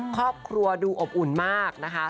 ครอบครัวดูอบอุ่นมากนะคะ